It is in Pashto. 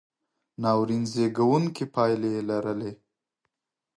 ناورین زېږوونکې پایلې یې لرلې.